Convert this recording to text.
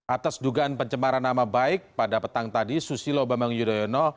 atas dugaan pencemaran nama baik pada petang tadi susilo bambang yudhoyono